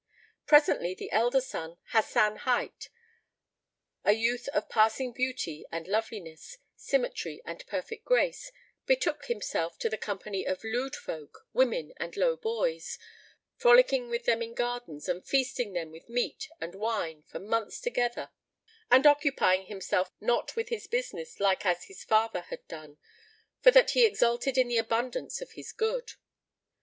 [FN#6] Presently the elder son, Hasan hight, a youth of passing beauty and loveliness, symmetry and perfect grace, betook himself to the company of lewd folk, women and low boys, frolicking with them in gardens and feasting them with meat and wine for months together and occupying himself not with his business like as his father had done, for that he exulted in the abundance of his good.